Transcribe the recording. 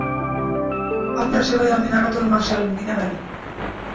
আপনার সেবায় আমি নাগাতোর মার্শাল, গিনেমন!